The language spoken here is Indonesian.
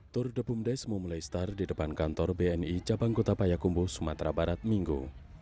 tour de bumdes memulai start di depan kantor bni cabang kota payakumbu sumatera barat minggu